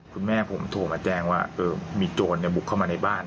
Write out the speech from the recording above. คุณแม่ผมโทรมาแจ้งว่ามีโจรบุกเข้ามาในบ้าน